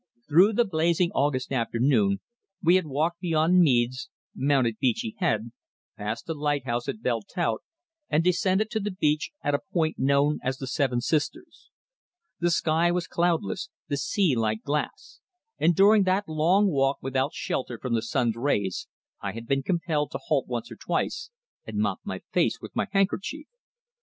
Through the blazing August afternoon we had walked beyond Meads, mounted Beachy Head, passed the lighthouse at Belle Tout and descended to the beach at a point known as the Seven Sisters. The sky was cloudless, the sea like glass, and during that long walk without shelter from the sun's rays I had been compelled to halt once or twice and mop my face with my handkerchief.